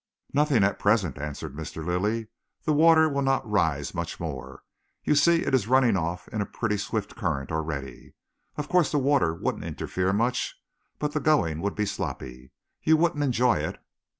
"Nothing at present," answered Mr. Lilly. "The water will not rise much more. You see it is running off in a pretty swift current already. Of course the water wouldn't interfere much, but the going would be sloppy. You wouldn't enjoy it."